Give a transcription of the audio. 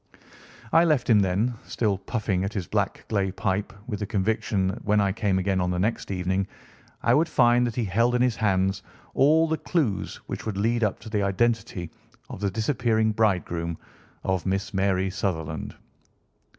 I left him then, still puffing at his black clay pipe, with the conviction that when I came again on the next evening I would find that he held in his hands all the clues which would lead up to the identity of the disappearing bridegroom of Miss Mary Sutherland.